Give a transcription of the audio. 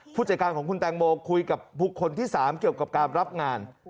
ผู้จัดการของคุณแตงโมคุยกับบุคคลที่๓เกี่ยวกับการรับงาน